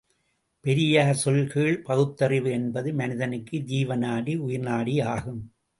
பெரியார் சொல் கேள் பகுத்தறிவு என்பது மனிதனுக்கு ஜீவநாடி உயிர்நாடி ஆகும்.